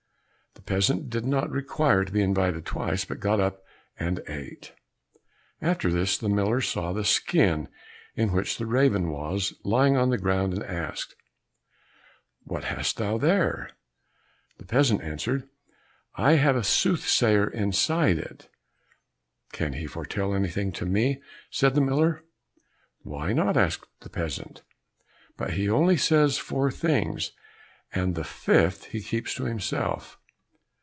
The peasant did not require to be invited twice, but got up and ate. After this the miller saw the skin in which the raven was, lying on the ground, and asked, "What hast thou there?" The peasant answered, "I have a soothsayer inside it." "Can he foretell anything to me?" said the miller. "Why not?" answered the peasant, "but he only says four things, and the fifth he keeps to himself."